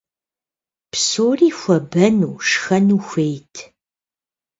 Псори хуэбэну, шхэну хуейт.